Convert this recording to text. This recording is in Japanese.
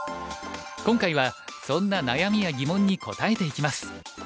今回はそんな悩みや疑問に答えていきます。